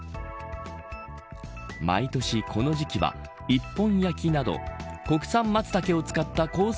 毎年この時期は、一本焼きなど国産マツタケを使ったコース